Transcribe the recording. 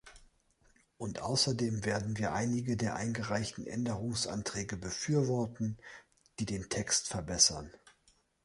Und außerdem werden wir einige der eingereichten Änderungsanträge befürworten, die den Text verbessern.